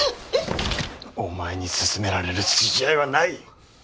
お前に勧められる筋合いはない！